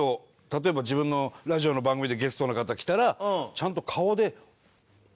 例えば自分のラジオの番組でゲストの方来たらちゃんと顔で。